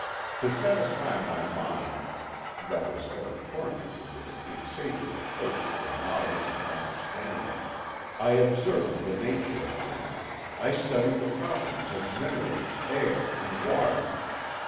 To satisfy my mind that was ever tormented with an insatiable thirst for knowledge and understanding I observed the nature of things, I studied the properties of minerals, air, and water.